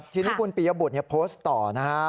ทีนี้คุณปียบุตรโพสต์ต่อนะฮะ